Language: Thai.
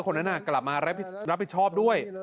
คนนั้นกลับมารับผิดชอบด้วย